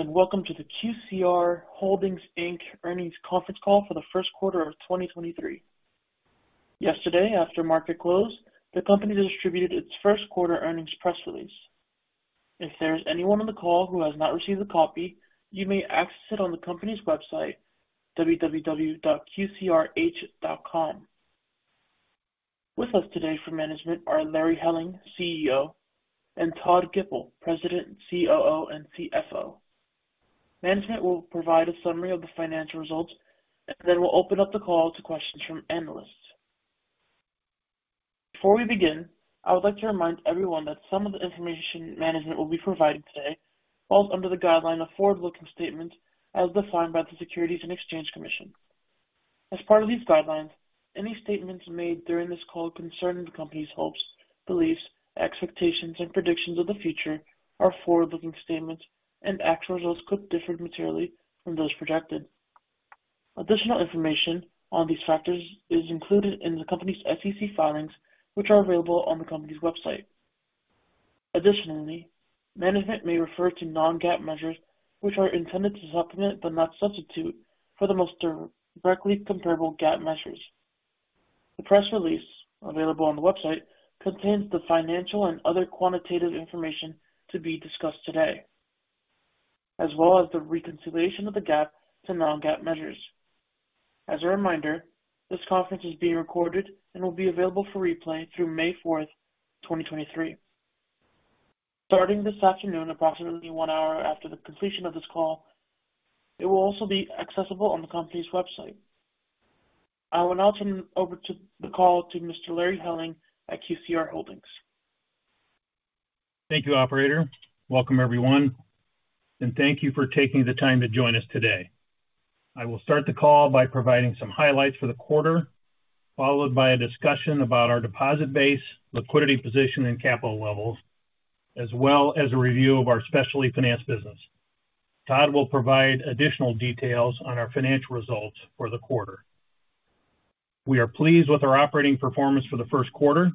And welcome to the QCR Holdings Inc. Earnings Conference Call for the Q1 of 2023. Yesterday, after market close, the company distributed its Q1 earnings press release. If there is anyone on the call who has not received a copy, you may access On the company's website, www.qcrh.com. With us today from management are Larry Helling, CEO and Todd Gipple, President, COO and CFO. Management will provide a summary of the financial results, And then we'll open up the call to questions from analysts. Before we begin, I would like to remind everyone that some of the information management will be providing Today falls under the guideline of forward looking statements as defined by the Securities and Exchange Commission. As part of these guidelines, Any statements made during this call concerning the company's hopes, beliefs, expectations and predictions of the future are forward looking statements and actual results could differ materially from those projected. Additional information on these factors is included in the company's SEC filings, which are available on the company's website. Additionally, management may refer to non GAAP measures, which are intended to supplement, but not substitute, for the most directly comparable GAAP measures. The press release available on the website contains the financial and other quantitative information to be discussed today as well as the reconciliation of the GAAP to non GAAP measures. As a reminder, This conference is being recorded and will be available for replay through May 4, 2023. Starting this afternoon, approximately only 1 hour after the completion of this call. It will also be accessible on the company's website. I will now turn over the call to Mr. Larry Henning at QCR Holdings. Thank you, operator. Welcome, everyone, and thank you for taking the time to join us today. I will start the call by providing some highlights for the quarter, followed by a discussion about our deposit base, liquidity position and capital levels, As well as a review of our specialty finance business. Todd will provide additional details on our financial results for the quarter. We are pleased with our operating performance for the Q1,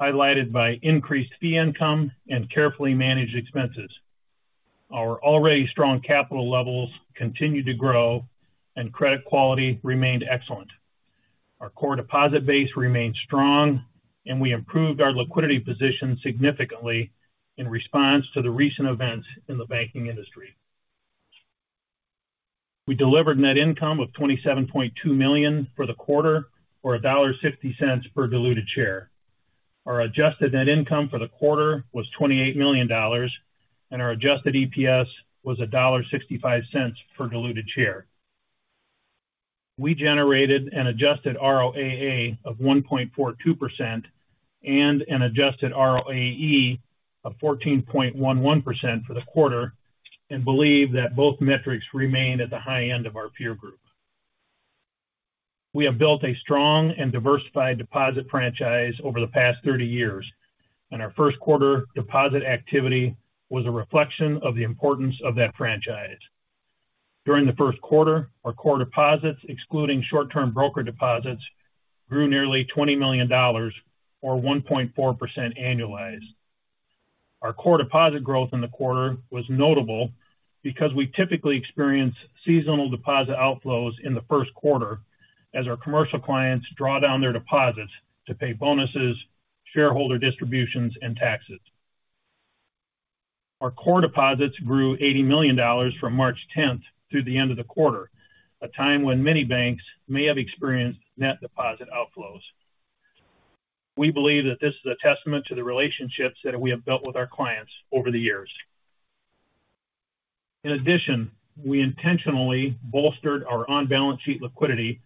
highlighted by increased fee income and carefully managed expenses. Our already strong capital levels continue to grow and credit quality remained excellent. Our core deposit base remains strong And we improved our liquidity position significantly in response to the recent events in the banking industry. We delivered net income of $27,200,000 for the quarter or $1.50 per diluted share. Our adjusted net income for the quarter was $28,000,000 and our adjusted EPS was $1.65 per diluted share. We generated an adjusted ROAA of 1.42 percent and an adjusted ROAE A 14.11 percent for the quarter and believe that both metrics remain at the high end of our peer group. We have built a strong and diversified deposit franchise over the past 30 years and our Q1 deposit activity was a reflection of the importance of that franchise. During the Q1, our core deposits excluding short term broker deposits Grew nearly $20,000,000 or 1.4 percent annualized. Our core deposit growth in the quarter was notable Because we typically experience seasonal deposit outflows in the Q1 as our commercial clients draw down their deposits to pay bonuses, shareholder distributions and taxes. Our core deposits grew $80,000,000 from March 10th Through the end of the quarter, a time when many banks may have experienced net deposit outflows. We believe that this a testament to the relationships that we have built with our clients over the years. In addition, we intentionally bolstered our on balance sheet liquidity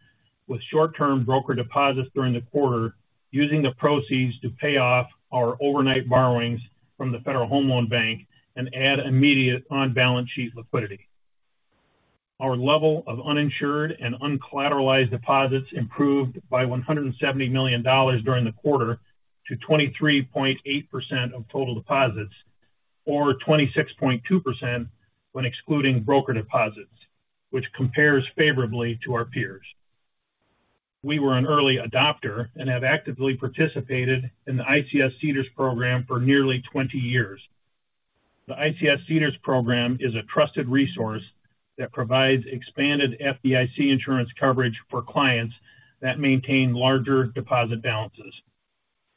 with short term broker deposits during the quarter using the proceeds to pay off our overnight borrowings from the Federal Home Loan Bank and add immediate on balance sheet liquidity. Our level of uninsured and uncollateralized deposits improved by $170,000,000 during the quarter to 23.8 percent of total deposits or 26.2% When excluding broker deposits, which compares favorably to our peers. We were an early adopter and have actively participated In the ICS Cedars program for nearly 20 years, the ICS Cedars program is a trusted resource that provides expanded FDIC insurance coverage for clients that maintain larger deposit balances.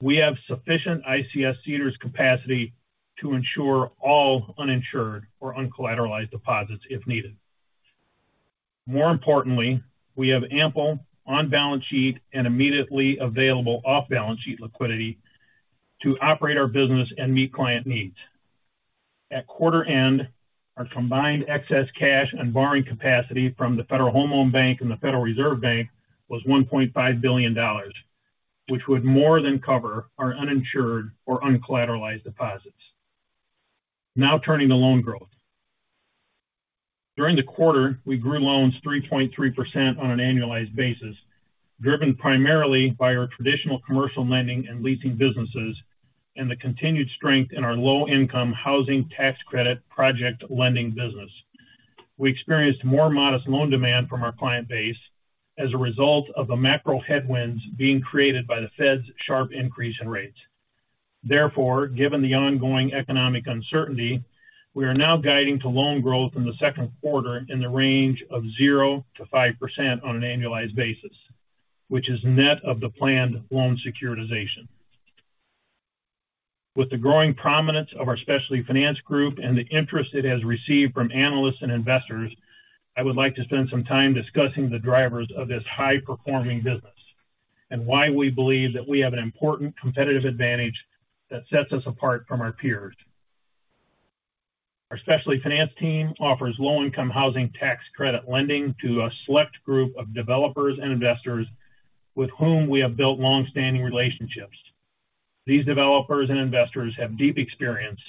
We have sufficient ICS Cedars capacity to ensure all uninsured or uncollateralized deposits if needed. More importantly, we have ample on balance sheet and immediately available off balance sheet liquidity to operate our business and meet client needs. At quarter end, our combined excess cash and borrowing Now turning to loan growth. During the quarter, we grew loans 3.3% on an annualized basis, Driven primarily by our traditional commercial lending and leasing businesses and the continued strength in our low income housing tax credit project lending business. We experienced more modest loan demand from our client base as a result of the macro headwinds being created by the Fed's sharp increase in rates. Therefore, given the ongoing economic uncertainty, we are now guiding to loan growth in the second quarter in the range of 0 5% on an annualized basis, which is net of the planned loan securitization. With the growing prominence of our Specialty Finance Group and the interest it has received from analysts and investors, I would like to spend some time discussing the drivers of this High performing business and why we believe that we have an important competitive advantage that sets us apart from our peers. Our specialty finance team offers low income housing tax credit lending to a select group of developers and investors with whom we have built long standing relationships. These developers and investors have deep experience,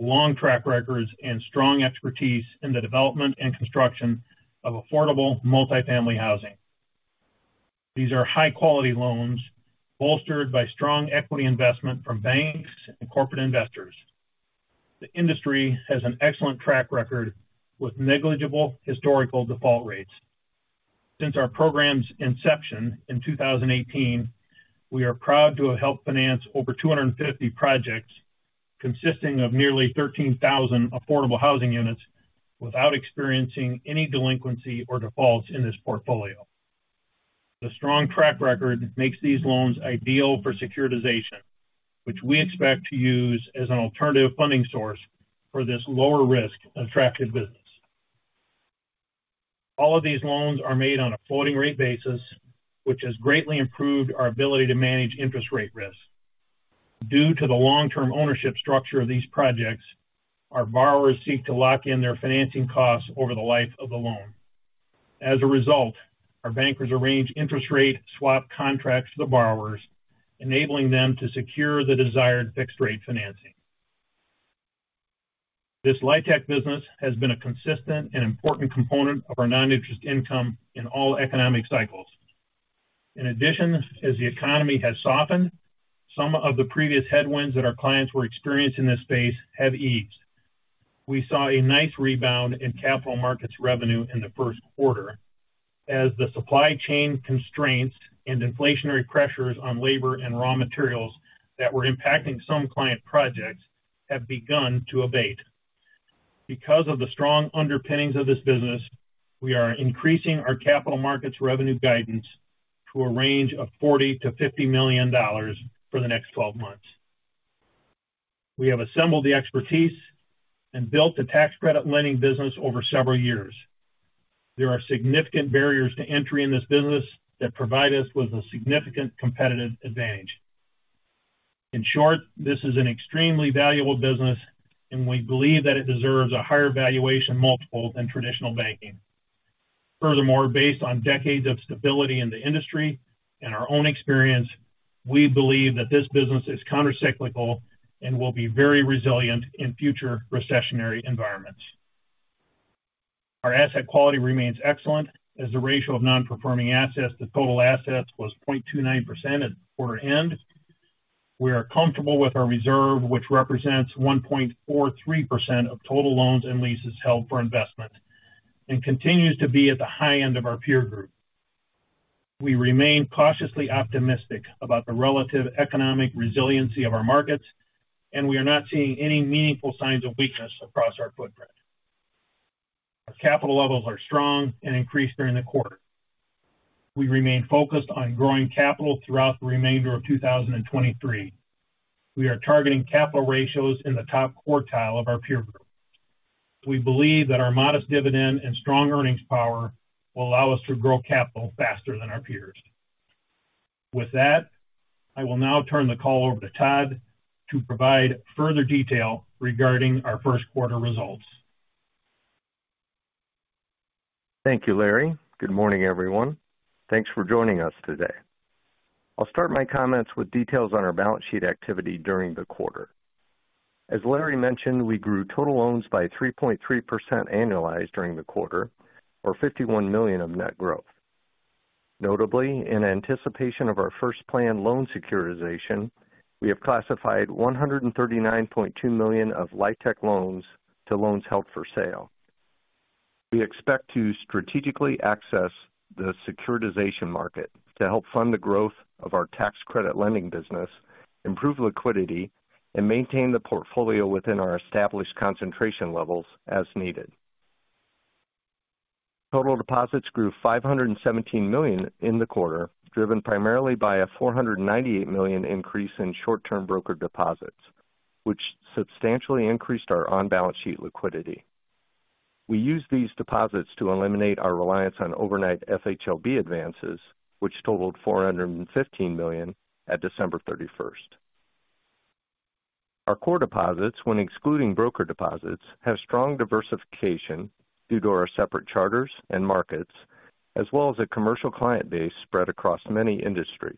long track records and strong expertise in the development and construction of affordable multifamily housing. These are high quality loans bolstered by strong equity investment from banks and corporate investors. The industry has an excellent track record with negligible historical default rates. Since our program's inception in 2018, We are proud to help finance over 250 projects consisting of nearly 13,000 affordable housing units Without experiencing any delinquency or defaults in this portfolio, the strong track record makes these loans ideal for securitization, which we expect to use as an alternative funding source for this lower risk and attractive business. All of these loans are made on a floating rate basis, which has greatly improved our ability to manage interest rate risk. Due to the long term ownership structure of these projects, our borrowers seek to lock in their financing costs over the life of the loan. As a result, our bankers arrange interest rate swap contracts for the borrowers, enabling them to secure the desired fixed rate financing. This LiTAC business has been a consistent and important component of our non interest income in all economic cycles. In addition, as the economy has softened, some of the previous headwinds that our clients were experiencing in this space have eased. We saw a nice rebound in capital markets revenue in the Q1 as the supply chain constraints And inflationary pressures on labor and raw materials that were impacting some client projects have begun to abate. Because of the strong underpinnings of this business, we are increasing our capital markets revenue guidance to a range of $40,000,000 to $50,000,000 for the next 12 months. We have assembled the expertise and built the tax credit lending business over several years. There are significant barriers to entry in this business that provide us with a significant competitive advantage. In short, this is an extremely valuable business and we believe that it deserves a higher valuation multiple than traditional banking. Furthermore, based on decades of stability in the industry and our own experience, we believe that this business is countercyclical and will be very resilient in future recessionary environments. Our asset quality remains excellent As the ratio of non performing assets to total assets was 0.29% at quarter end, we are comfortable with our reserve, which represents 1 point Or 3% of total loans and leases held for investment and continues to be at the high end of our peer group. We remain cautiously optimistic about the relative economic resiliency of our markets and we are not seeing any meaningful signs of weakness across our footprint. Our capital levels are strong and increased during the quarter. We remain focused on growing capital throughout the remainder of 2023. We are targeting capital ratios in the top quartile of our peer group. We believe that our modest dividend and strong earnings power will allow us to grow capital faster than our peers. With that, I will now turn the call over to Todd to provide further detail regarding our Q1 results. Thank you, Larry. Good morning, everyone. Thanks for joining us today. I'll start my comments with details on our balance sheet activity during the quarter. As Larry mentioned, we grew total loans by 3.3% annualized during the quarter or $51,000,000 of net growth. Notably, in anticipation of our first plan loan securitization, we have classified $139,200,000 of LITEC loans To loans held for sale. We expect to strategically access the securitization market to help fund the growth of our tax credit lending business, improved liquidity and maintained the portfolio within our established concentration levels as needed. Total deposits grew $517,000,000 in the quarter, driven primarily by a $498,000,000 increase in short term broker deposits, which substantially increased our on balance sheet liquidity. We used these deposits to eliminate our reliance on overnight FHLB advances, which totaled $415,000,000 at December 31. Our core deposits, when excluding broker deposits, Have strong diversification due to our separate charters and markets as well as a commercial client base spread across many industries.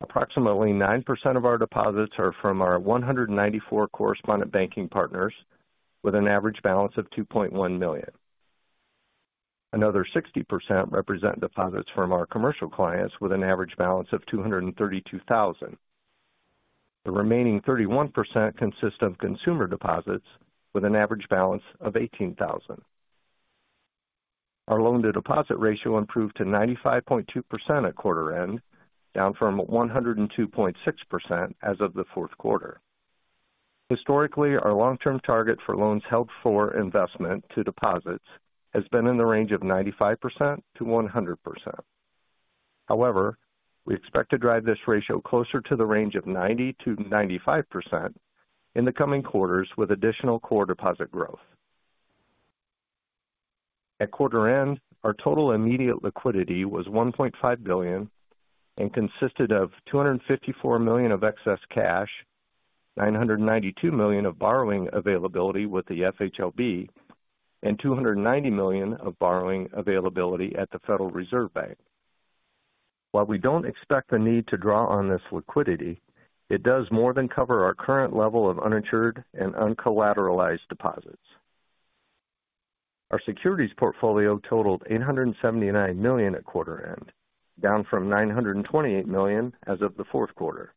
Approximately 9% of our deposits are from our 194 correspondent banking partners with an average balance of 2,100,000 Another 60% represent deposits from our commercial clients with an average balance of 232,000 The remaining 31% consists of consumer deposits with an average balance of 18,000 Our loan to deposit ratio improved to 95.2 percent at quarter end, down from 102.6% as of the 4th quarter. Historically, our long term target for loans held for investment to deposits has been in the range of 95% to 100%. However, we expect to drive this ratio closer to the range of 90% to 95% in the coming quarters with additional core deposit growth. At quarter end, our total immediate liquidity was $1,500,000,000 and consisted of $254,000,000 of excess cash, $992,000,000 of borrowing availability with the FHLB and $290,000,000 of borrowing availability at the Federal Reserve Bank. While we don't expect the need to draw on this liquidity, it does more than cover our current level of uninsured and uncollateralized deposits. Our securities portfolio totaled $879,000,000 at quarter end, down from $928,000,000 as of the 4th quarter.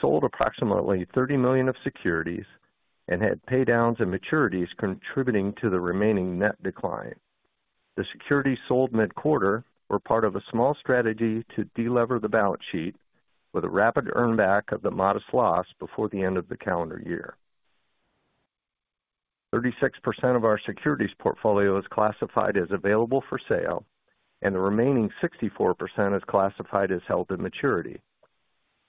Sold approximately $30,000,000 of securities and had pay downs and maturities contributing to the remaining net decline. The securities sold mid quarter were part of a small strategy to delever the balance sheet with a rapid earn back of the modest loss before the end of the calendar year. 36% of our securities portfolio is classified as available for sale And the remaining 64% is classified as held at maturity.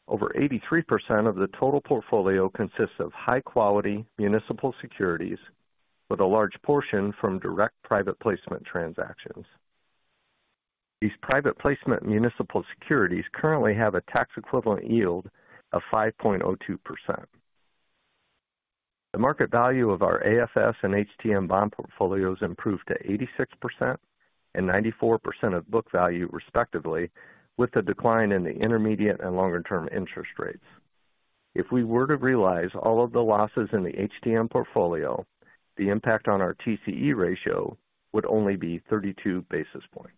Over 83% of the total portfolio consists of high quality municipal with a large portion from direct private placement transactions. These private placement municipal securities Currently have a tax equivalent yield of 5.02%. The market value of our AFS and HTM bond portfolios improved to 6% and 94% of book value, respectively, with the decline in the intermediate and longer term interest rates. If we were to realize all of the losses in the HTM portfolio, the impact on our TCE ratio would only be 32 basis points.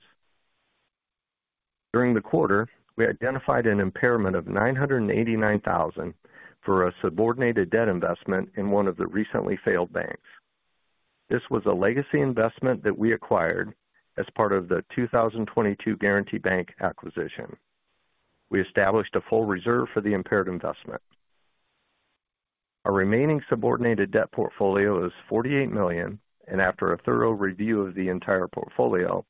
During the quarter, we identified an impairment of $989,000 for a subordinated debt investment in one of the recently failed banks. This was a legacy investment that we acquired as part of the 2022 Guaranty Bank acquisition. We established a full reserve for the impaired investment. Our remaining subordinated debt portfolio is $48,000,000 And after a thorough review of the entire portfolio,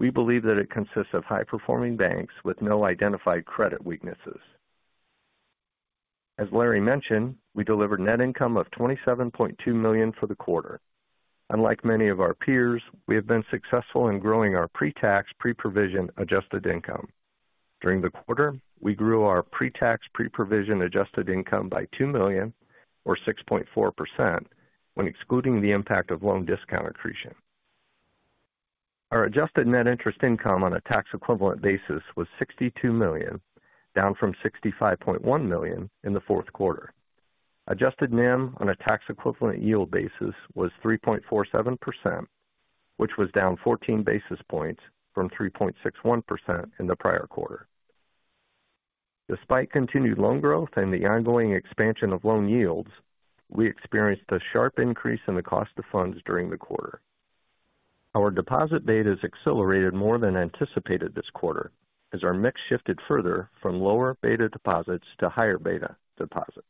we believe that it consists of high performing banks with no identified credit weaknesses. As Larry mentioned, we delivered net income of $27,200,000 for the quarter. Unlike many of our peers, we have been successful in growing our pre tax pre provision Adjusted income. During the quarter, we grew our pre tax pre provision adjusted income by $2,000,000 or 6.4 percent when excluding the impact of loan discount accretion. Our adjusted net interest income on a tax equivalent basis was 62,000,000 down from $65,100,000 in the 4th quarter. Adjusted NIM on a tax equivalent yield basis was 3.47%, which was down 14 basis points from 3.61 percent in the prior quarter. Despite loan growth and the ongoing expansion of loan yields, we experienced a sharp increase in the cost of funds during the quarter. Our deposit betas accelerated more than anticipated this quarter as our mix shifted further from lower beta deposits to higher beta deposits.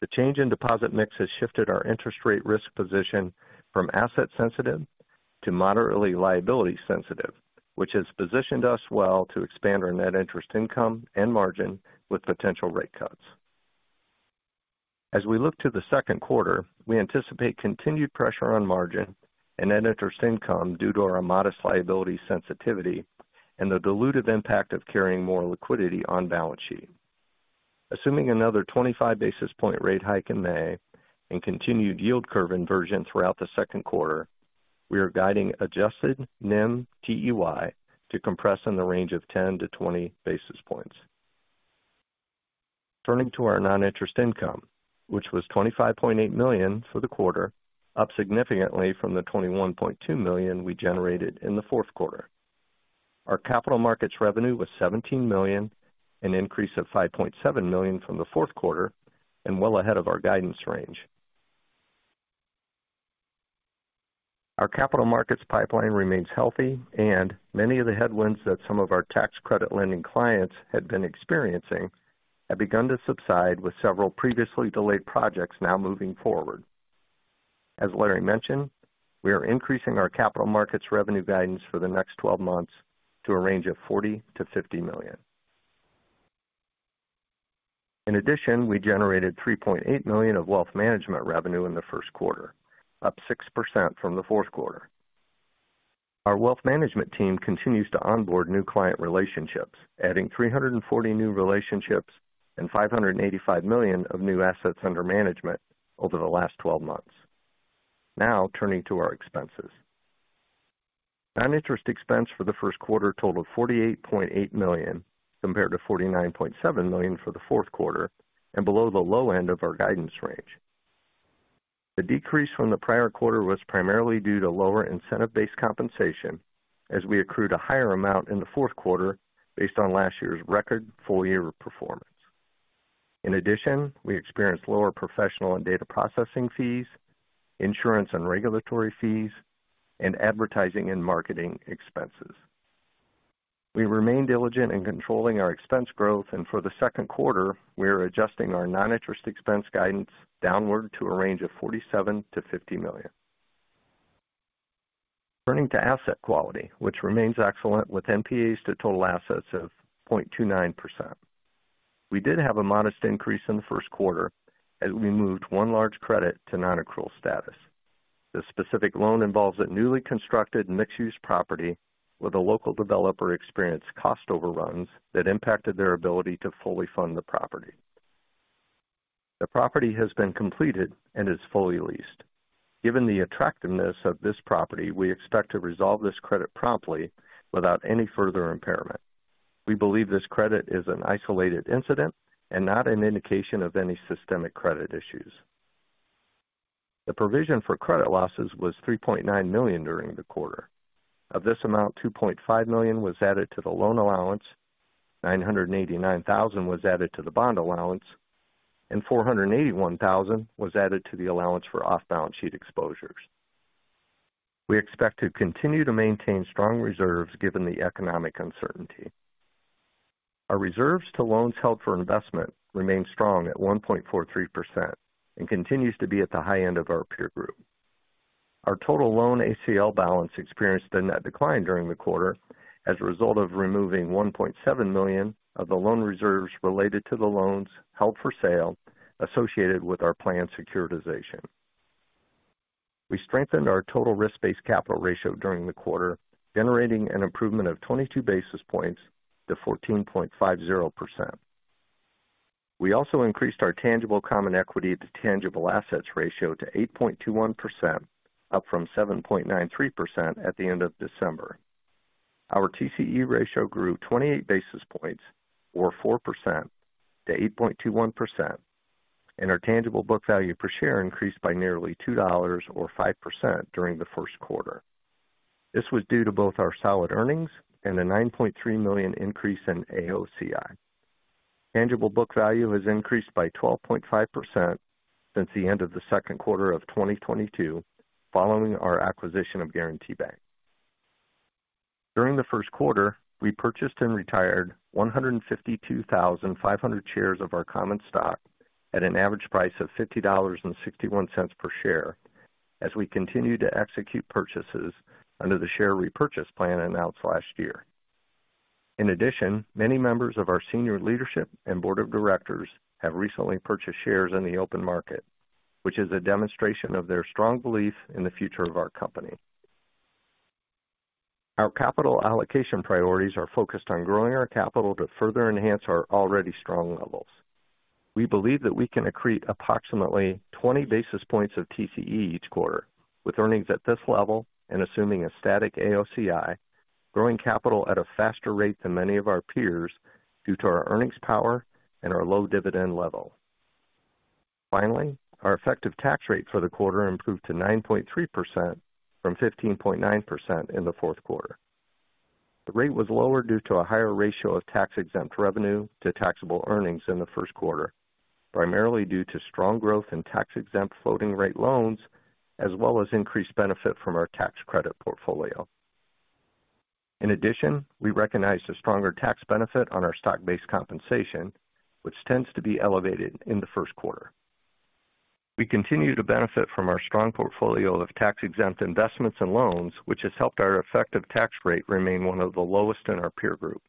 The change in deposit mix has shifted our interest rate risk position from asset sensitive to moderately liability sensitive, which has positioned us well to expand our net interest income and margin with potential rate cuts. As we look to the Q2, we anticipate continued pressure on margin and net interest income due to our modest liability sensitivity And the dilutive impact of carrying more liquidity on balance sheet. Assuming another 25 basis point rate hike in May And continued yield curve inversion throughout the Q2, we are guiding adjusted NIM TEY to compress in the range of 10 to 20 basis points. Turning to our non interest income, which was $25,800,000 for the quarter, up significantly from the $21,200,000 we generated in the 4th quarter. Our capital markets revenue was $17,000,000 an increase of $5,700,000 from the 4th quarter and well ahead of our guidance range. Our capital markets pipeline remains healthy and many of the headwinds that some of our tax credit lending clients had been experiencing Have begun to subside with several previously delayed projects now moving forward. As Larry mentioned, We are increasing our capital markets revenue guidance for the next 12 months to a range of $40,000,000 to $50,000,000 In addition, we generated $3,800,000 of wealth management revenue in the Q1, up 6% from the 4th quarter. Our wealth management team continues to onboard new client relationships, adding 340 new relationships and $585,000,000 of new assets under management over the last 12 months. Now turning to our expenses. Non interest expense for the Q1 totaled $48,800,000 compared to $49,700,000 for the 4th quarter and below the low end of our guidance range. The decrease from the prior quarter was primarily due to lower of base compensation, as we accrued a higher amount in the 4th quarter based on last year's record full year performance. In addition, we experienced lower professional and data processing fees, insurance and regulatory fees, and advertising and marketing expenses. We remain diligent in controlling our expense growth and for the Q2, we are adjusting our non interest expense guidance Downward to a range of $47,000,000 to $50,000,000 Turning to asset quality, which remains excellent with NPAs to total assets of 0.29%. We did have a modest increase in the Q1 as we moved 1 large credit to non This specific loan involves a newly constructed mixed use property where the local developer experienced cost overruns that impacted their ability to fully fund the property. The property has been completed and is fully leased. Given the attractiveness of this property, we expect to resolve this credit promptly without any further impairment. We believe this credit is an isolated incident And not an indication of any systemic credit issues. The provision for credit losses was $3,900,000 during the quarter. Of this amount, dollars 2,500,000 was added to the loan allowance, dollars 989,000 was added to the bond allowance And $481,000 was added to the allowance for off balance sheet exposures. We expect to continue to maintain strong reserves given the economic Our reserves to loans held for investment remained strong at 1.43% and continues to be at the high end of our peer group. Our total loan ACL balance experienced a net decline during the quarter as a result of removing $1,700,000 of the loan reserves related to the loans held for sale associated with our planned securitization. We strengthened our total risk based capital ratio during the quarter, generating an improvement of 22 basis points to 14.50%. We also increased our tangible common equity Tangible assets ratio to 8.21 percent, up from 7.93% at the end of December. Our TCE ratio grew 28 basis points or 4% to 8.21 percent and our tangible book value per Share increased by nearly $2 or 5 percent during the Q1. This was due to both our solid earnings And a $9,300,000 increase in AOCI. Tangible book value has increased by 12.5% Since the end of the Q2 of 2022, following our acquisition of Guaranty Bank. During the Q1, we purchased and retired 152,500 shares of our common stock at an average price of $50.61 per share As we continue to execute purchases under the share repurchase plan announced last year. In addition, many members of our senior leadership Board of Directors have recently purchased shares in the open market, which is a demonstration of their strong belief in the future of our company. Our capital allocation priorities are focused on growing our capital to further enhance our already strong levels. We believe that we can accrete approximately 20 basis points of TCE points of TCE each quarter, with earnings at this level and assuming a static AOCI, growing capital at a faster rate than many of our peers due to our earnings power and our low dividend level. Finally, our effective tax rate for the quarter improved to 9.3% from 15.9% in the 4th quarter. The rate was lower due to a higher ratio of tax exempt revenue to taxable earnings in the Q1, primarily due to strong growth in tax exempt floating rate loans as well as increased benefit from our tax credit portfolio. In addition, we recognized a stronger tax benefit on our stock based compensation, which tends to be elevated in the Q1. We continue to benefit from our strong portfolio of tax exempt investments and loans, which has helped our effective tax rate remain one of the lowest in our peer group.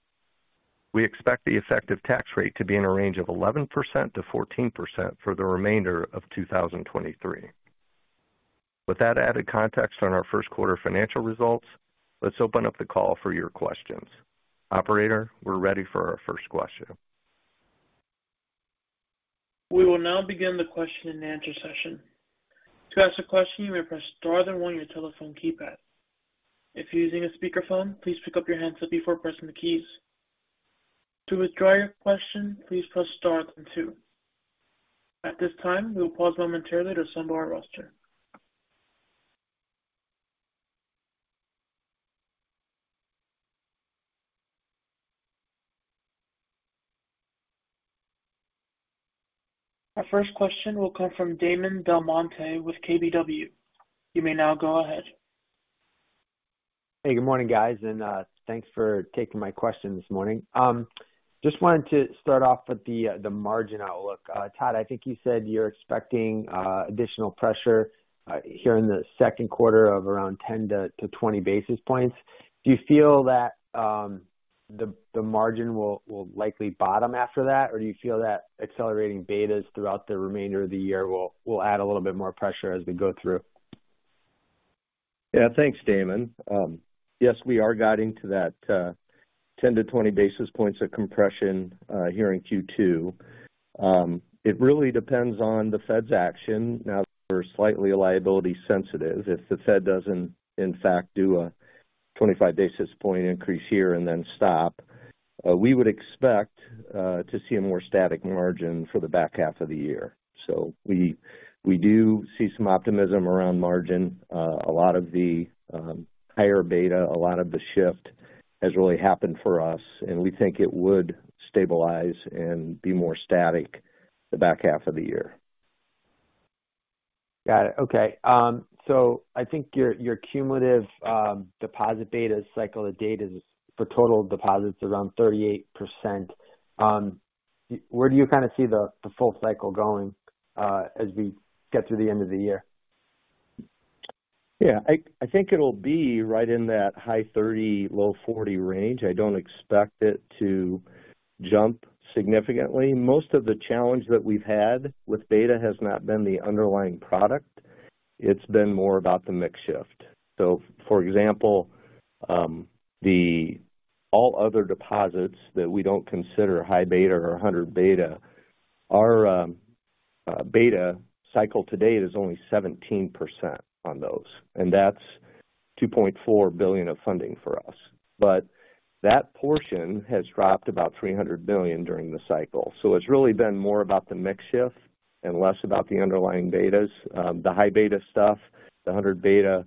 We expect the effective tax rate to be in a range of 11% to 14% for the remainder of 2023. With that added context on our Q1 financial results, let's open up the call for your questions. Operator, we're ready for our first question. We will now begin the question and answer session. Our first question will come from Damon DelMonte with KBW. You may now go ahead. Hey, good morning guys and thanks for taking my questions this morning. Just wanted to start off with the margin Look, Todd, I think you said you're expecting additional pressure here in the Q2 of around 10 to 20 basis points. Do you feel that the margin will likely bottom after that? Or do you feel that accelerating betas throughout remainder of the year will add a little bit more pressure as we go through. Yes. Thanks, Damon. Yes, we are guiding to that 10 to 20 basis points of compression here in Q2. It really depends on the Fed's action. Now we're slightly a liability Sensitive. If the Fed doesn't, in fact, do a 25 basis point increase here and then stop, we would Expect to see a more static margin for the back half of the year. So we do see some optimism around margin. A lot of the Higher beta, a lot of the shift has really happened for us, and we think it would stabilize and be more static The back half of the year. Got it. Okay. So I think your cumulative deposit beta cycle of data is The total deposits around 38%. Where do you kind of see the full cycle going as we get through the end of the year? Yes. I think it will be right in that high 30, low 40 range. I don't expect it to jump Significantly, most of the challenge that we've had with beta has not been the underlying product. It's been more about the mix shift. So for example, the all other deposits that we don't consider high beta or 100 beta, our Beta cycle to date is only 17% on those, and that's $2,400,000,000 of funding for us. But That portion has dropped about $300,000,000,000 during the cycle. So it's really been more about the mix shift and less about the underlying betas, the high beta stuff, The 100 beta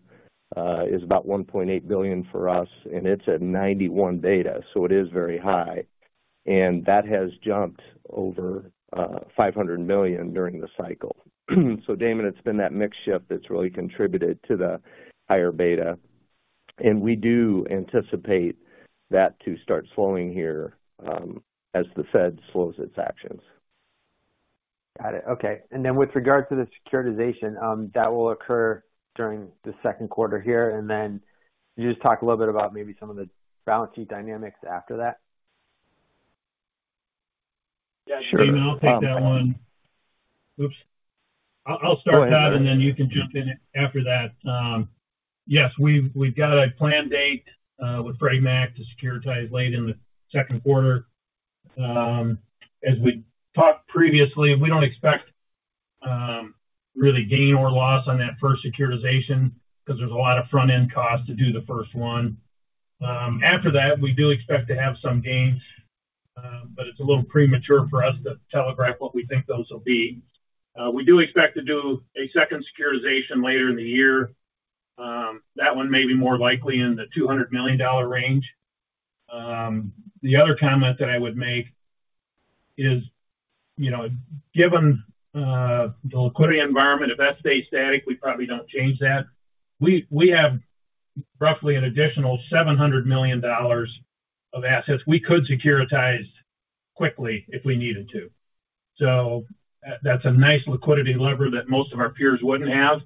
is about $1,800,000,000 for us, and it's at 91 beta. So it is very high. And that has jumped over $500,000,000 during the cycle. So Damon, it's been that mix shift that's really contributed to the higher beta. And we do anticipate that to start slowing here, as the Fed slows its actions. Got it. Okay. And then with regard to the securitization, that will occur during the Q2 here? And then can you just talk a little bit about maybe some of the balance sheet dynamics after that? Yes, sure. I'll take that one. I'll start with that and then you can jump in after that. Yes, we've got a planned date with Frag Mac to securitize late in the second quarter. As we talked previously, we don't expect really gain or loss on that first securitization, there's a lot of front end costs to do the first one. After that, we do expect to have some gains, but it's a little premature for us to telegraph we think those will be. We do expect to do a second securitization later in the year. That one may be more likely in the $200,000,000 range. The other comment that I would make is, given the liquidity environment, if that stays static, we probably Change that. We have roughly an additional $700,000,000 of assets we could securitize Quickly, if we needed to. So that's a nice liquidity lever that most of our peers wouldn't have.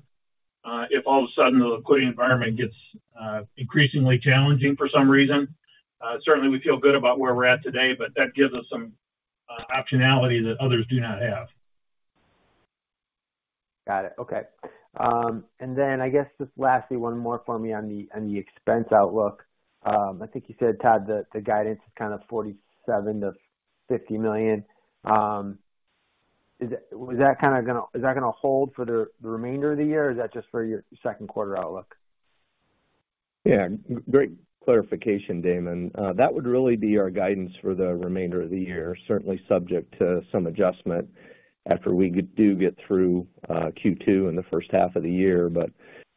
If all of a sudden the liquidity environment gets Increasingly challenging for some reason. Certainly, we feel good about where we're at today, but that gives us some optionality that others do not have. Got it. Okay. And then I guess just lastly one more for me on the expense outlook. I think you said, Todd, the guidance is kind of 40 $7,000,000 to $50,000,000 Was that kind of going to is that going to hold for the remainder of the year? Or is that just for your Q2 outlook? Yes. Great clarification, Damon. That would really be our guidance for the remainder of the year, certainly subject to some adjustment After we do get through Q2 and the first half of the year, but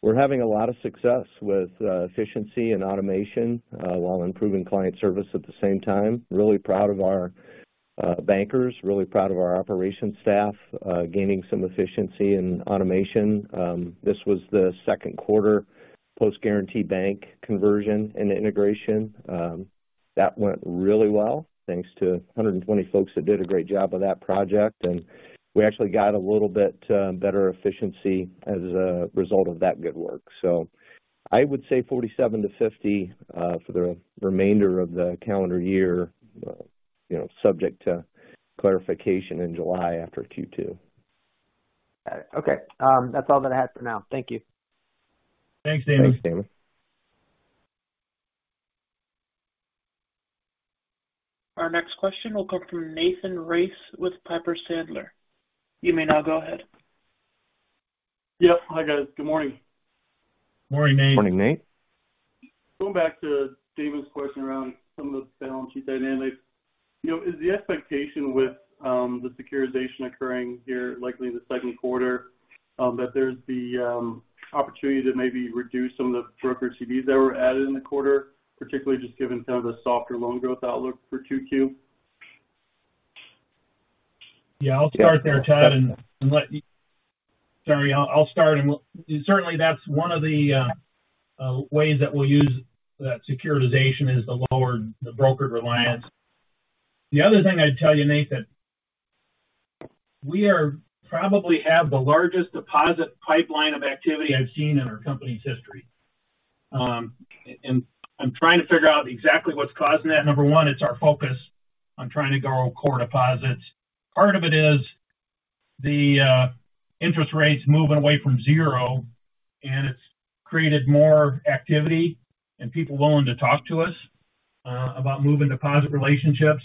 we're having a lot of success with efficiency while improving client service at the same time. Really proud of our bankers, really proud of our operations staff Gaining some efficiency in automation. This was the 2nd quarter post Guaranty Bank conversion and integration. That went really well. Thanks to 120 folks who did a great job of that project. And we actually got a little bit better efficiency As a result of that good work. So I would say 47 to 50 for the remainder of the calendar year, subject to Clarification in July after Q2. Got it. Okay. That's all that I had for now. Thank you. Thanks, Damon. Thanks, Damon. Our next question will come from Nathan Race with Piper Sandler. You may now go ahead. Yes. Hi, guys. Good morning. Good morning, Nate. Good morning, Nate. Going back to David's question around some of the balance sheet dynamics, Is the expectation with the securitization occurring here likely in the Q2 that there's the opportunity to maybe reduce some of the Broker CDs that were added in the quarter, particularly just given some of the softer loan growth outlook for 2Q? Yes, I'll start there, Todd, and let you sorry, I'll start and certainly that's one of the ways that we'll use That securitization is the lower the brokered reliance. The other thing I'd tell you, Nathan, We probably have the largest deposit pipeline of activity I've seen in our company's history. And I'm trying to figure out exactly what's causing that. Number 1, it's our focus on trying to grow core deposits. Part of it is The interest rates moving away from 0 and it's created more activity and people willing to talk to us About moving deposit relationships.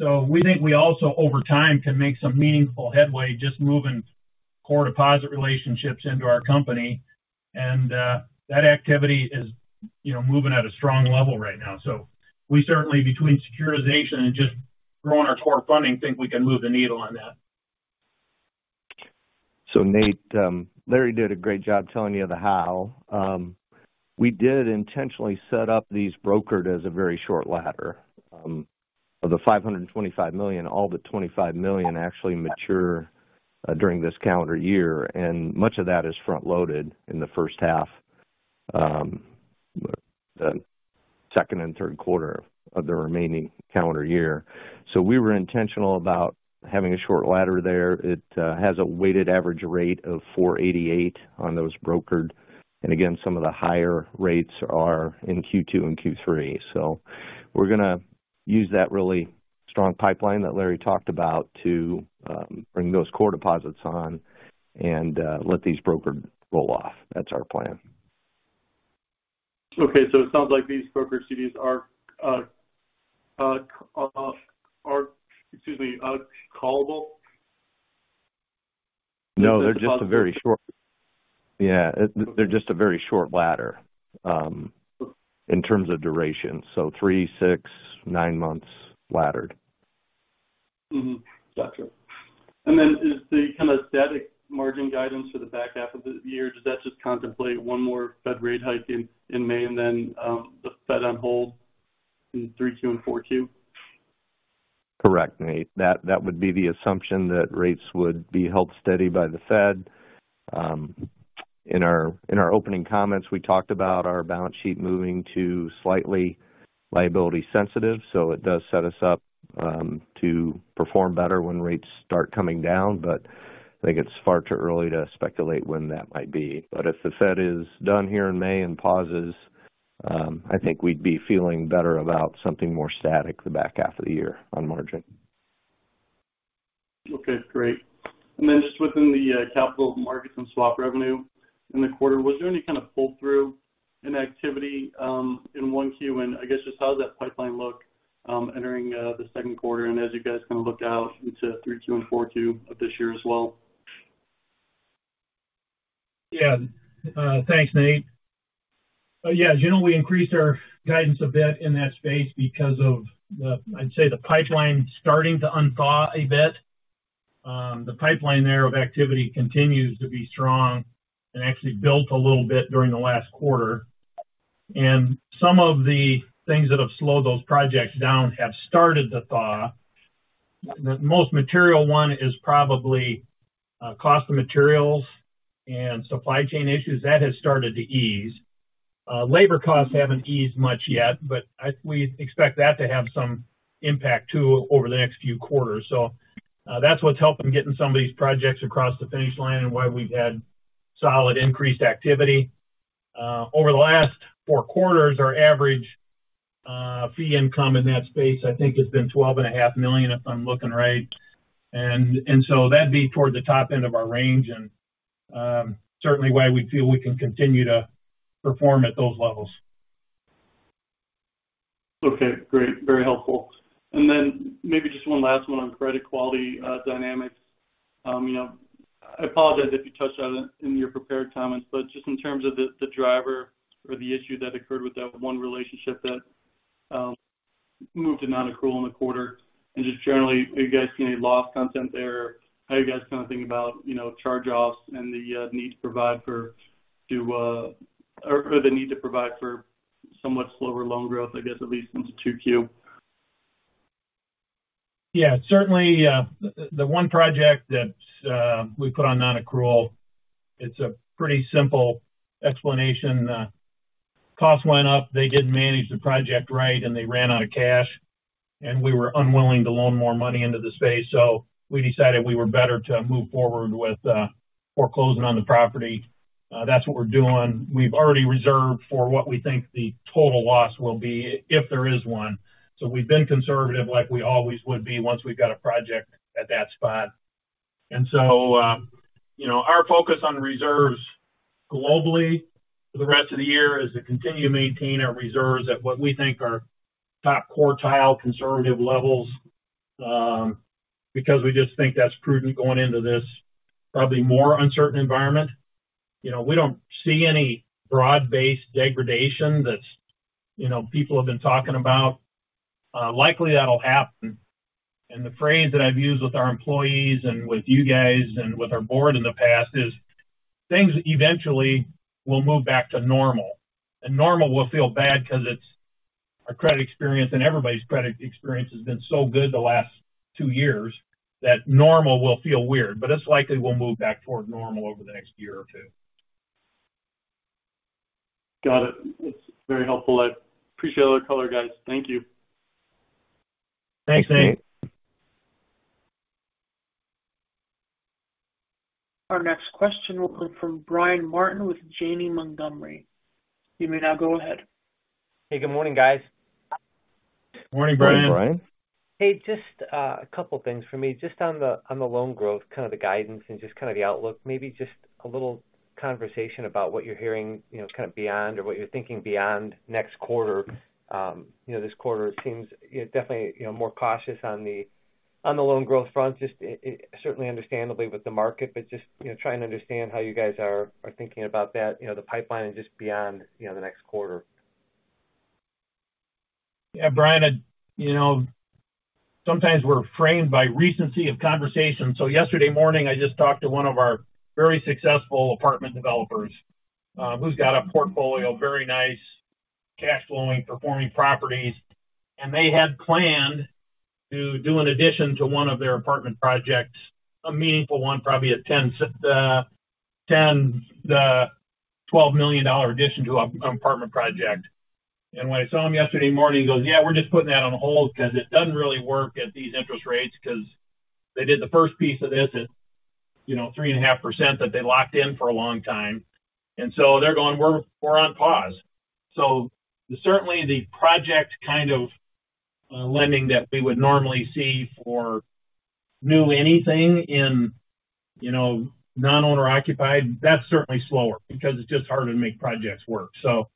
So we think we also over time can make some meaningful headway just moving Core deposit relationships into our company and that activity is moving at a strong level right now. So We certainly between securitization and just growing our core funding think we can move the needle on that. So Nate, Larry did a great job telling you the how. We did intentionally set up these brokered as a very short ladder. The $525,000,000 all the $25,000,000 actually mature during this calendar year and much of that is front loaded in the first half. The second and third quarter of the remaining calendar year. So we were intentional about Having a short ladder there, it has a weighted average rate of 4.88 on those brokered. And again, some of the higher rates Our in Q2 and Q3. So we're going to use that really strong pipeline that Larry talked about to Bring those core deposits on and let these brokered roll off. That's our plan. Okay. So it sounds like these brokered CDs are callable? No, they're just a very short yes, they're just a very short ladder in terms of duration. So 3, 6, 9 months laddered. Got you. And then is the kind of static margin guidance for the back half The year, does that just contemplate one more Fed rate hike in May and then the Fed on hold in 3Q and 4Q? Correct, Nate. That would be the assumption that rates would be held steady by the Fed. In our opening comments, talked about our balance sheet moving to slightly liability sensitive. So it does set us up to perform better when rates Start coming down, but I think it's far too early to speculate when that might be. But if the Fed is done here in May and pauses, I think we'd be feeling better about something more static the back half of the year on margin. Okay, great. And then just within the capital markets and swap revenue in the quarter, was there any kind of pull through And activity in 1Q and I guess just how does that pipeline look entering the Q2 and as you guys kind of look out into 3Q and 4Q of this year as well? Yes. Thanks, Nate. Yes, as you know, we increased our guidance a bit in that space because of I'd say the pipeline is starting to unthaw a bit. The pipeline there of activity continues to be strong It actually built a little bit during the last quarter. And some of the things that have slowed those projects down have started to thaw. The most material one is probably cost of materials and supply chain issues that has started to ease. Labor costs haven't eased much yet, but we expect that to have some impact too over the next few quarters. So That's what's helping getting some of these projects across the finish line and why we've had solid increased activity. Over the last four quarters, our average Fee income in that space, I think, has been $12,500,000 if I'm looking right. And so that'd be toward the top end of our range and Certainly, why we feel we can continue to perform at those levels. Okay, great. Very helpful. And then maybe just one last one on credit quality dynamics. I apologize if you touched on it in your prepared comments, but just in terms of the driver For the issue that occurred with that one relationship that moved to non accrual in the quarter. And just generally, have you guys seen any loss content there? How you guys kind of think about charge offs and the need to provide for Somewhat slower loan growth, I guess, at least into 2Q? Yes. Certainly, the one project that We put on non accrual. It's a pretty simple explanation. Costs went up. They didn't manage the project right and they ran out of cash And we were unwilling to loan more money into the space. So we decided we were better to move forward with foreclosing on the property. That's what we're doing. We've already reserved for what we think the total loss will be if there is one. So we've been conservative like we always would be once we've got a project At that spot. And so our focus on reserves globally for the rest The year is to continue to maintain our reserves at what we think are top quartile conservative levels, Because we just think that's prudent going into this probably more uncertain environment. We don't see any broad based degradation that People have been talking about likely that will happen and the phrase that I've used with our employees and with you guys and with our Board in the past is Things eventually will move back to normal. And normal will feel bad because it's our credit experience and everybody's credit experience has been so good the last 2 years. That normal will feel weird, but it's likely we'll move back toward normal over the next year or 2. Got it. It's very helpful. I appreciate all the color guys. Thank you. Thanks, Nate. Our next question will come from Brian Martin with Janney Montgomery. You may now go ahead. Hey, good morning guys. Good morning, Brian. Hey, just a couple of things for me. Just on the loan growth the guidance and just kind of the outlook, maybe just a little conversation about what you're hearing kind of beyond or what you're thinking beyond next quarter. This quarter it seems definitely more cautious on the loan growth front, just certainly understandably with the market, I just try and understand how you guys are thinking about that, the pipeline is just beyond the next quarter? Yes, Brian, sometimes we're framed by recency of conversation. So yesterday morning, I just talked one of our very successful apartment developers, who's got a portfolio of very nice cash flowing performing properties And they had planned to do an addition to one of their apartment projects, a meaningful one, probably a 10,000,000 $12,000,000 addition to an apartment project. And when I saw him yesterday morning, he goes, yes, we're just putting that on hold because it doesn't really work at these interest rates because They did the first piece of this at 3.5% that they locked in for a long time. And so they're going, we're on pause. So certainly the project kind of lending that we would normally see for new anything in Non owner occupied, that's certainly slower because it's just harder to make projects work. So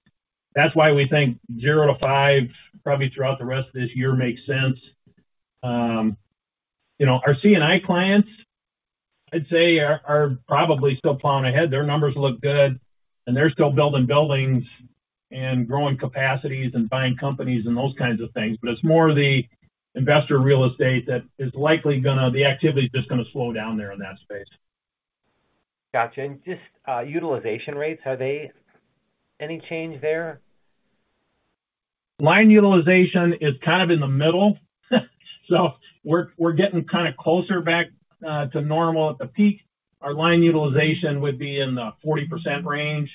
that's why we think 0 to 5 Probably throughout the rest of this year makes sense. Our C and I clients, I'd say Probably still falling ahead. Their numbers look good and they're still building buildings and growing capacities and buying companies and those kinds of things. But it's more of the Investor real estate that is likely going to the activity is just going to slow down there in that space. Got you. And just utilization rates, are they Any change there? Line utilization is kind of in the middle. So We're getting kind of closer back to normal at the peak. Our line utilization would be in the 40% range.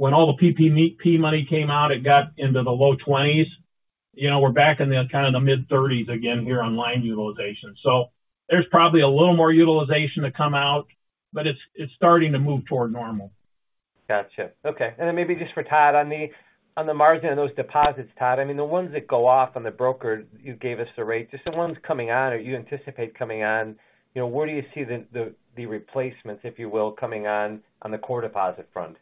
When all the PPP money came out, it got into the low 20s. We're back in the kind of the mid-30s again here on line utilization. So There's probably a little more utilization to come out, but it's starting to move toward normal. Got you. Okay. And then maybe just for Todd, On the margin of those deposits, Todd, I mean, the ones that go off on the broker, you gave us the rate, just the ones coming on or you anticipate coming Where do you see the replacements, if you will, coming on the core deposit front?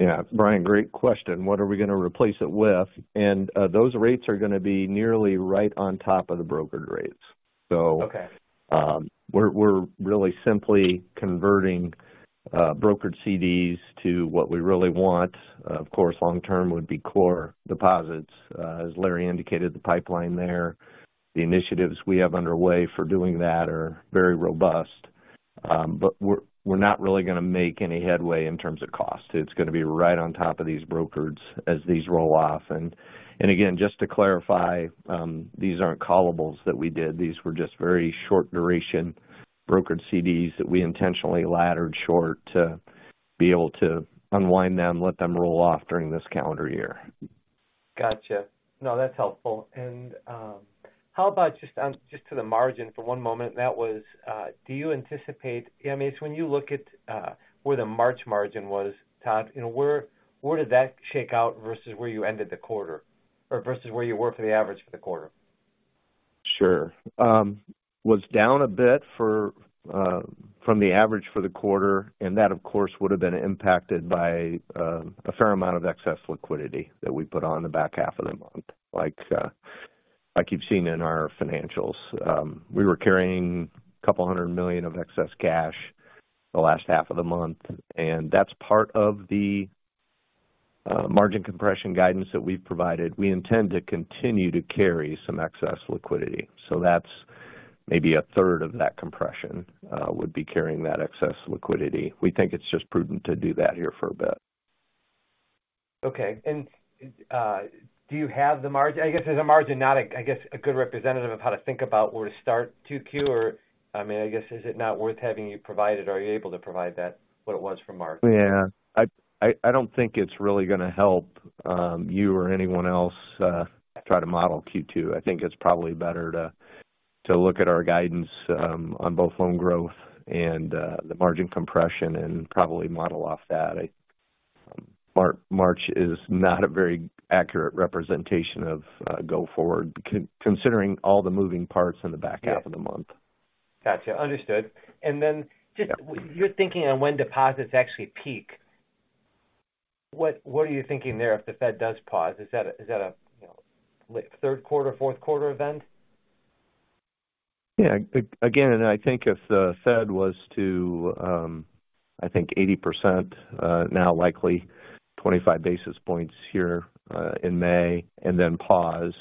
Yes. Brian, great question. What are we going to replace it with? And those rates are going to be nearly right on top of the brokered rates. So we're really simply converting Brokered CDs to what we really want, of course, long term would be core deposits. As Larry indicated, the pipeline there, The initiatives we have underway for doing that are very robust, but we're not really going to make any headway in terms of cost. It's going to be right on top of these brokereds as these roll off. And again, just to clarify, these aren't callables that we did. These were just very short duration Brokered CDs that we intentionally laddered short to be able to unwind them, let them roll off during this calendar year. Got you. No, that's helpful. And how about just to the margin for one moment, that was, do you anticipate, I mean, when you look at Where the March margin was, Todd, where did that shake out versus where you ended the quarter or versus where you were for the average for the quarter? Sure. Was down a bit from the average for the quarter and that of course would have been impacted by a fair amount of excess Liquidity that we put on the back half of the month, like I keep seeing in our financials. We were carrying a couple of $100,000,000 of excess cash The last half of the month, and that's part of the margin compression guidance that we've provided. We intend to continue to carry some excess liquidity. So that's maybe a third of that compression. So that's maybe a third of that compression would be carrying that excess liquidity. We think it's just prudent to do that here for a bit. Okay. And do you have the margin I guess is the margin not, I guess, a good representative of how to think about where to start 2Q? Or I mean, I guess, is it not worth having you provided are you able to provide that what it was for Mark? Yes. I don't think it's really going to help you or anyone else I'll try to model Q2. I think it's probably better to look at our guidance on both loan growth and the margin compression and probably model off that. March is not a very accurate representation of go forward considering all the moving parts in the back half of the month. Got you. Understood. And then just your thinking on when deposits actually peak, what are you thinking there if the Fed does pause? Is that a 3rd quarter, 4th quarter event? Yes. Again, and I think if the Fed was to, I think 80%, now likely 25 basis points here in May and then pause.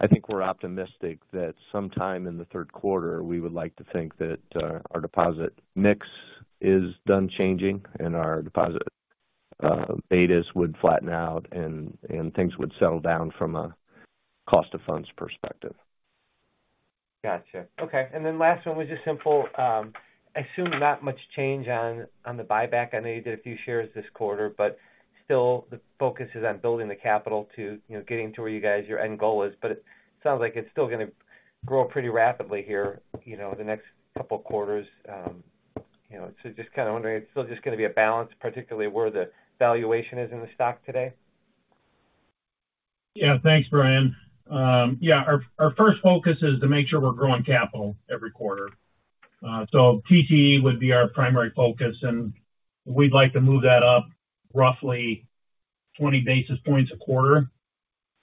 I think we're optimistic that sometime in Q3, we would like to think that our deposit mix is done changing and our deposit Betis would flatten out and things would settle down from a cost of funds perspective. Got you. Okay. And then last one was just simple. I assume not much change on the buyback. I know you did a few shares this quarter, but Still the focus is on building the capital to getting to where you guys your end goal is, but it sounds like it's still going to grow pretty rapidly here the next couple Quarters, so just kind of wondering, it's still just going to be a balance, particularly where the valuation is in the stock today? Yes. Thanks, Brian. Yes, our first focus is to make sure we're growing capital every quarter. So TCE would be our primary focus and We'd like to move that up roughly 20 basis points a quarter.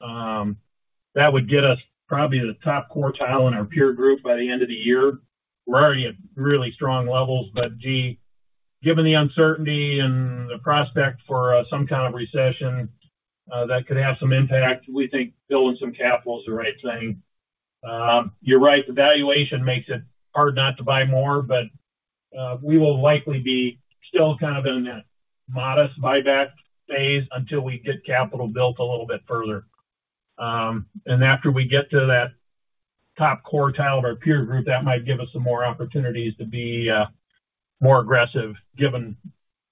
That would get us Probably the top quartile in our peer group by the end of the year. We're already at really strong levels, but given the uncertainty and the prospect For some kind of recession that could have some impact, we think building some capital is the right thing. You're right, the valuation makes it Hard not to buy more, but we will likely be still kind of in that modest buyback phase until we get capital built a little bit further. And after we get to that top quartile of our peer group, that might give us some more opportunities to be More aggressive given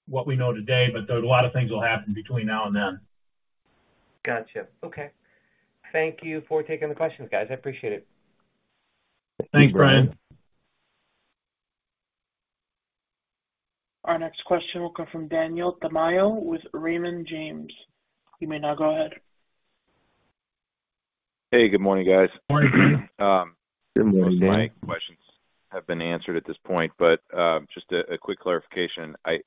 what we know today, but there's a lot of things will happen between now and then. Got you. Okay. Thank you for taking the questions guys. I appreciate it. Thanks Brian. Our next question will come from Daniel DiMao with Raymond James. You may now go ahead. Hey, good morning, guys. Good morning, Steve. Good morning, Steve. My questions have been answered at this point, but just a quick clarification. I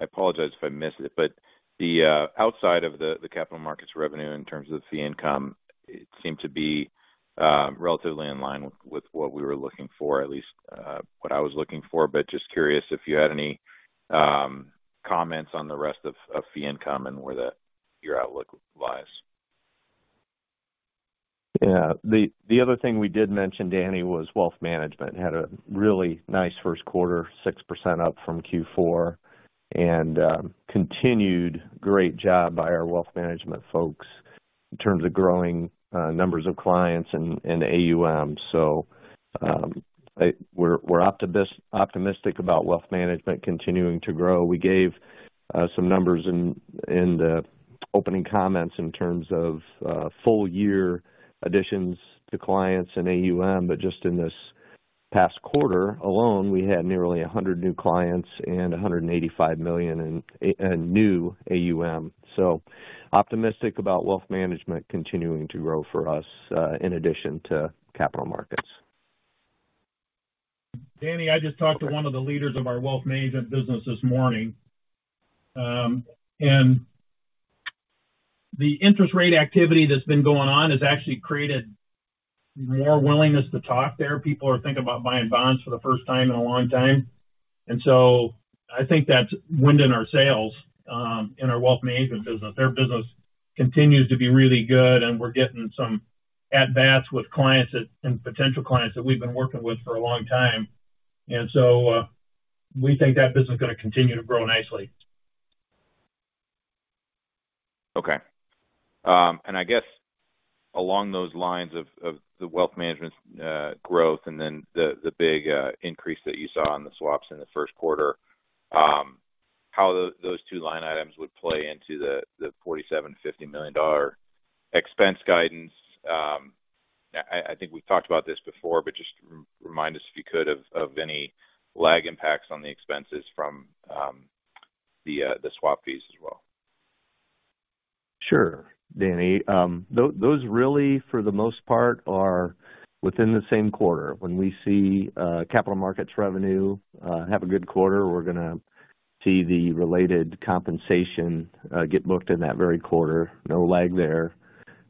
apologize if I missed it, but the outside of the capital markets revenue in terms of fee income, it seemed to be Relatively in line with what we were looking for, at least what I was looking for. But just curious if you had any Comments on the rest of fee income and where the your outlook lies? Yes. The other thing we did mention, Danny, was Wealth Management had a really nice Q1, 6% up from Q4 and continued great job by our Wealth Management folks In terms of growing numbers of clients and AUM, so we're Optimistic about wealth management continuing to grow. We gave some numbers in the opening comments in terms of full year Additions to clients and AUM, but just in this past quarter alone, we had nearly 100 new clients and 185,000,000 A new AUM, so optimistic about wealth management continuing to grow for us in addition to capital markets. Danny, I just talked to one of the leaders of our wealth management business this morning. And The interest rate activity that's been going on has actually created more willingness to talk there. People are thinking about buying bonds for the first time in a long time. And so I think that's wind in our sales, in our Wealth Management business. Their business continues to be really good and we're getting some At VAST with clients and potential clients that we've been working with for a long time. And so we think that business is going to continue to grow nicely. Okay. And I guess along those lines of the wealth management's growth and then the big Increase that you saw on the swaps in the Q1, how those two line items would play into the $47,000,000 $50,000,000 expense guidance? I think we've talked about this before, but just remind us if you could of any lag impacts on the expenses from The swap fees as well. Sure, Danny. Those really for the most part are Within the same quarter, when we see capital markets revenue have a good quarter, we're going to see the related compensation Get booked in that very quarter, no lag there.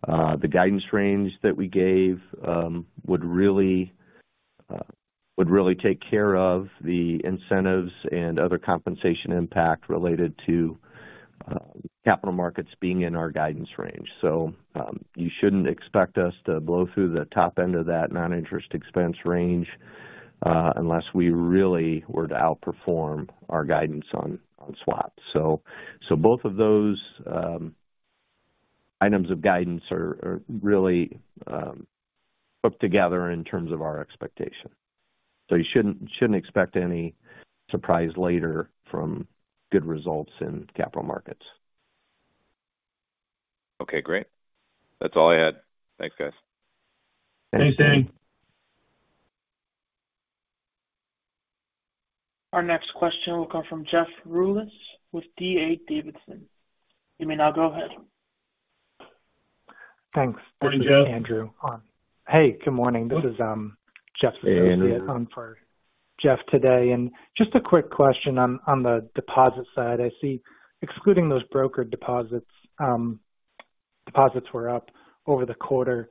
The guidance range that we gave Would really take care of the incentives and other compensation impact related to capital markets being in our guidance Range. So you shouldn't expect us to blow through the top end of that non interest expense range, unless we really were to outperform Our guidance on swaps. So both of those items of guidance are really Put together in terms of our expectation. So you shouldn't expect any surprise later from good results in capital markets. Our next question will come from Jeff Rulis with D. A. Davidson. You may now go ahead. Thanks. This is Andrew on. Hey, good morning. This is Jeff Fiskeciate on for Jeff, today. And just a quick question on the deposit side. I see excluding those brokered deposits, deposits were up Over the quarter.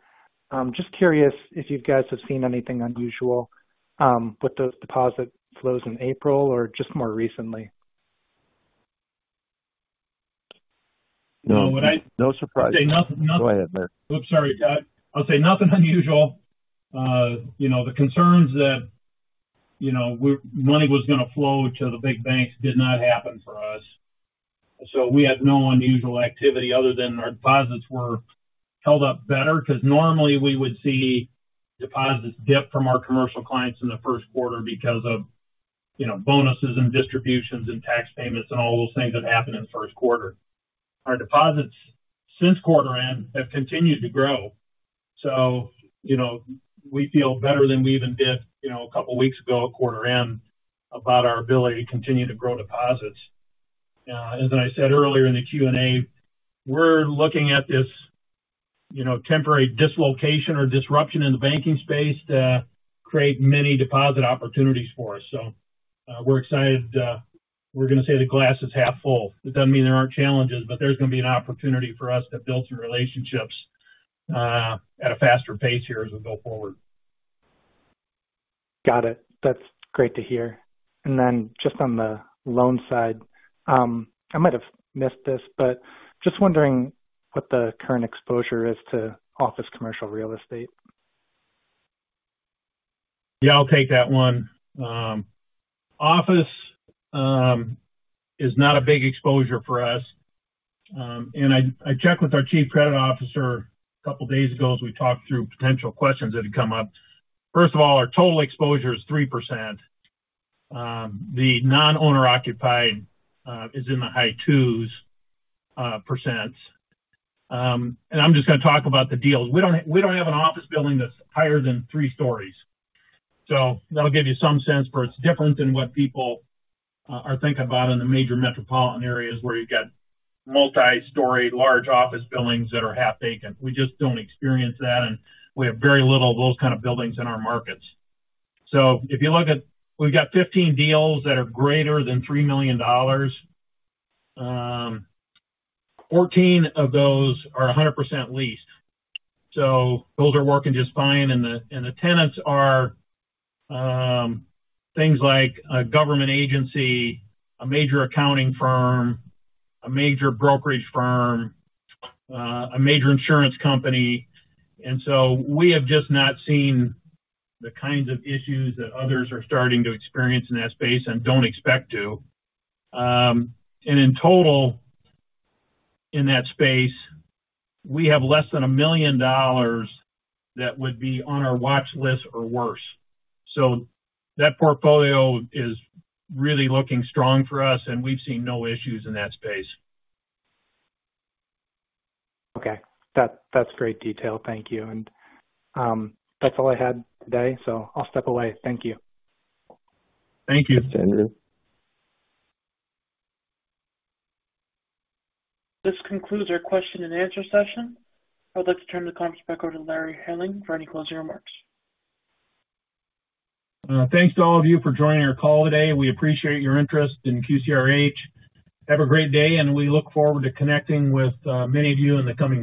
Just curious if you guys have seen anything unusual with those deposit flows in April or just more recently? No surprise. Go ahead, Matt. I'll say nothing unusual. The concerns that money was going to flow to the big banks did not happen for us. So we had no unusual activity other than our deposits were held up better because normally we would see Deposits dipped from our commercial clients in the Q1 because of bonuses and distributions and tax payments and all those things that happened in the Q1. Our deposits since quarter end have continued to grow. So we feel better than we even did a couple of weeks ago at quarter end About our ability to continue to grow deposits. As I said earlier in the Q and A, we're looking at this Temporary dislocation or disruption in the banking space create many deposit opportunities for us. So we're excited. We're going to say the glass is half full. It doesn't mean there aren't challenges, but there's going to be an opportunity for us to build through relationships at a faster pace here as we go forward. Got it. That's great to hear. And then just on the loan side, I might have Missed this, but just wondering what the current exposure is to office commercial real estate? Yes, I'll take that one. Office is not a big exposure for us. And I checked with our Chief Credit Officer a couple of days ago as we talked through potential questions that had come up. First of all, our total exposure is 3%. The non owner occupied is in the high 2s percent. And I'm just going to talk about the deals. We don't have an office building that's higher than 3 stories. So that will give you some sense for it's different than what people I think about in the major metropolitan areas where you get multi story large office buildings that are half taken. We just don't experience that and We have very little of those kind of buildings in our markets. So if you look at we've got 15 deals that are greater than $3,000,000 14 of those are 100 percent leased. So those are working just fine and the tenants are Things like a government agency, a major accounting firm, a major brokerage firm, A major insurance company. And so we have just not seen the kinds of issues that others are starting to experience in that space and don't expect And in total, in that space, we have less than $1,000,000 That would be on our watch list or worse. So that portfolio is really looking strong for us and we've seen no issues in that space. Okay. That's great detail. Thank you. And that's all I had today. So I'll step away. Thank you. Thank you. Thanks, Andrew. This concludes our question and answer session. I would like to turn the conference back over to Larry Henling for any closing remarks. Thanks to all of you for joining our call today. We appreciate your interest in QCRH. Have a great day and we look forward to connecting with many of you in the coming